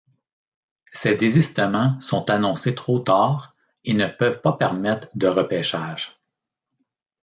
Ces désistements sont annoncés trop tard et ne peuvent pas permettre de repêchage.